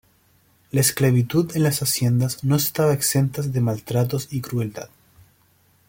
La esclavitud en las haciendas no estaba exenta de maltratos y crueldad.